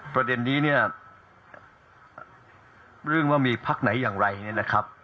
ประเด็นนี้เนี่ยเรื่องว่ามีพักไหนอย่างไรเนี่ยนะครับ